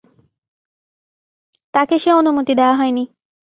তাকে সে অনুমতি দেয়া হয় নি।